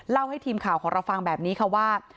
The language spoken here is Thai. ให้ทีมข่าวของเราฟังแบบนี้ค่ะว่า